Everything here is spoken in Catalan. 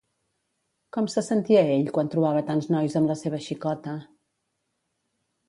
Com se sentia ell quan trobava tants nois amb la seva xicota?